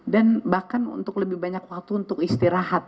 dan bahkan untuk lebih banyak waktu untuk istirahat